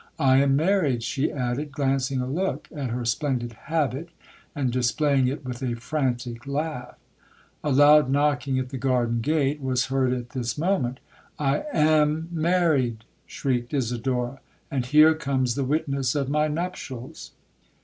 'I am married!' she added, glancing a look at her splendid habit, and displaying it with a frantic laugh. A loud knocking at the garden gate was heard at this moment. 'I am married!' shrieked Isidora, 'and here comes the witness of my nuptials!'